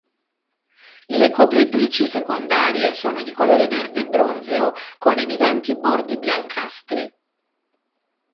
Le copritrici secondarie sono di colore verde bronzeo con evidenti bordi biancastri.